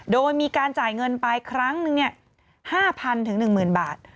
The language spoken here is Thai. โดยมีการจ่ายเงินไปครั้งหนึ่งเนี่ยห้าพันถึงหนึ่งหมื่นบาท